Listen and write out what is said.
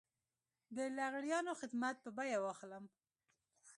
د لغړیانو خدمات په بيه واخلم.